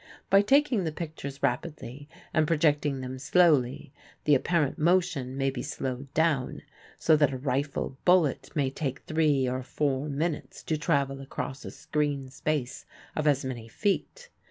By taking the pictures rapidly and projecting them slowly the apparent motion may be slowed down, so that a rifle bullet may take three or four minutes to travel across a screen space of as many feet.